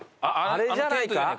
あれじゃないか？